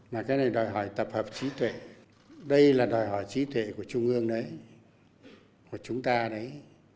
mà cái này đòi hỏi tập hợp trí tuệ đây là đòi hỏi trí tuệ của trung ương đấy của chúng ta đấy